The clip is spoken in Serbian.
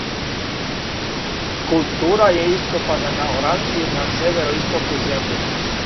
Скулптура је ископана на ораници на североистоку земље.